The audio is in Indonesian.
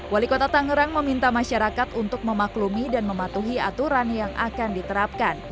wali kota tangerang meminta masyarakat untuk memaklumi dan mematuhi aturan yang akan diterapkan